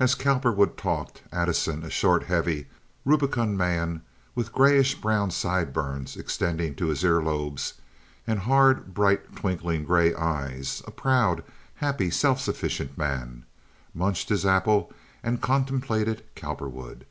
As Cowperwood talked, Addison, a short, heavy, rubicund man with grayish brown sideburns extending to his ear lobes and hard, bright, twinkling gray eyes—a proud, happy, self sufficient man—munched his apple and contemplated Cowperwood.